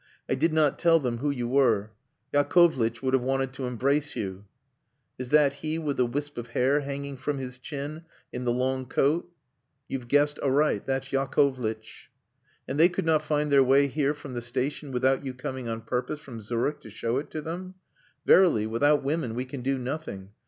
"I did not tell them who you were. Yakovlitch would have wanted to embrace you." "Is that he with the wisp of hair hanging from his chin, in the long coat?" "You've guessed aright. That's Yakovlitch." "And they could not find their way here from the station without you coming on purpose from Zurich to show it to them? Verily, without women we can do nothing.